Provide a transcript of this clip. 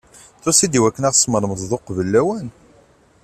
Tusiḍ-d iwakken ad ɣ-tesmeremdeḍ uqbel lawan?